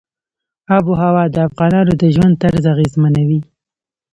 آب وهوا د افغانانو د ژوند طرز اغېزمنوي.